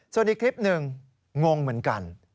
ส่วนอีกคลิปหนึ่งงงเหมือนกัน